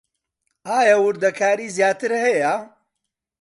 ئایا وردەکاریی زیاتر هەیە؟